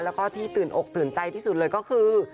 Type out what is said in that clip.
แล้วก็ที่ตื่นอกตื่นใจที่สุดเลยก็คือ